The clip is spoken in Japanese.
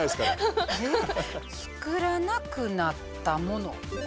作らなくなったもの。